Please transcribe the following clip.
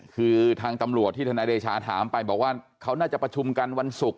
คือทางตำรวจที่ธนายเดชาถามไปบอกว่าเขาน่าจะประชุมกันวันศุกร์